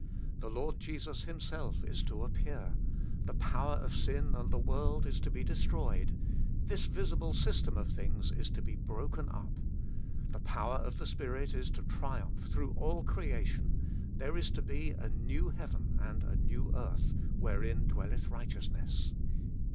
The Lord Jesus Himself is to appear, the power of sin and the world is to be destroyed ; this visible system of things is to be 276 HOLY IN CHRIST. broken up ; the power of the Spirit is to triumph through all creation ; there is to be a new heaven, and a new earth, wherein dwelleth righteousness.